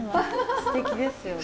すてきですよね。